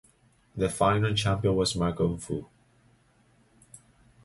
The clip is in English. The final champion was Marco Fu.